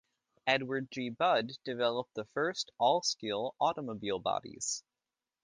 Edward G Budd developed the first all-steel automobile bodies.